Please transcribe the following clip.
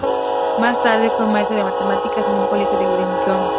Más tarde fue maestro de matemáticas en un colegio de Wimbledon.